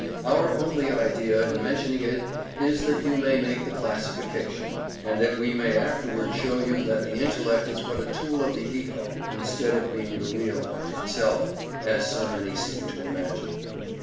Our only idea in mentioning it is that you may make the classification, and that we may afterward show you that the Intellect is but a tool of the Ego, instead of being the real "I" itself, as so many seem to imagine.